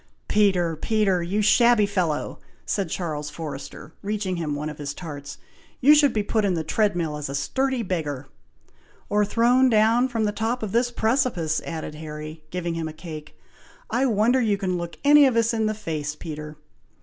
"Peter! Peter! you shabby fellow!" said Charles Forrester, reaching him one of his tarts, "you should be put in the tread mill as a sturdy beggar!" "Or thrown down from the top of this precipice," added Harry, giving him a cake. "I wonder you can look any of us in the face, Peter!"